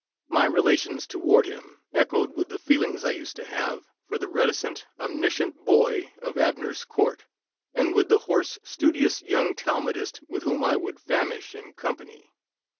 My relations toward him echoed with the feelings I used to have for the reticent, omniscient boy of Abner's Court, and with the hoarse, studious young Talmudist with whom I would "famish in company."